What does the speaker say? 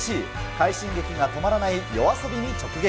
快進撃が止まらないＹＯＡＳＯＢＩに直撃。